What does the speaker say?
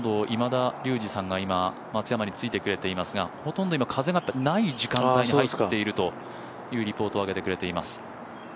今田竜二さんが今、松山についてくれていますがほとんど今、風がない時間帯に入っているというリポートをあげてくれています。